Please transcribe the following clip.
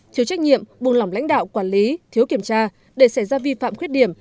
thiếu trách nhiệm buông lỏng lãnh đạo quản lý thiếu kiểm tra để xảy ra vi phạm khuyết điểm